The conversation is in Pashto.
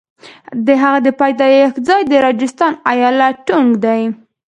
د هغه د پیدایښت ځای د راجستان ایالت ټونک دی.